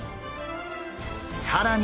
更に！